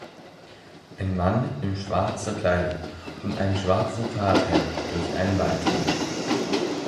Ein Mann in schwarzer Kleidung und einem schwarzen Fahrradhelm durch einen Waldweg.